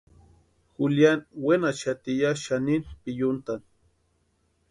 Juliani wénaxati ya xanini pʼikuntʼani.